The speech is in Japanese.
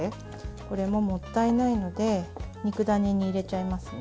これももったいないので肉ダネに入れちゃいますね。